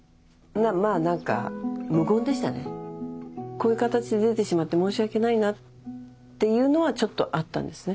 こういう形で出てしまって申し訳ないなっていうのはちょっとあったんですね。